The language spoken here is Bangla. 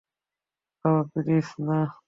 বাবা, প্লিজ না!